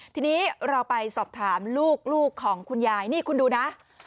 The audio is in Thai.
ทีนี้เราไปสอบถามลูกของคุณยายนี่คุณดูนะ